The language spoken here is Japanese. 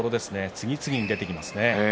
次々に出てきますね